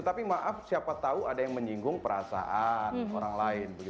tapi maaf siapa tahu ada yang menyinggung perasaan